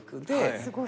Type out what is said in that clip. すごい。